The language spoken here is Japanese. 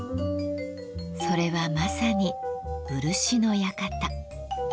それはまさに漆の館。